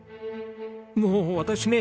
もう私ね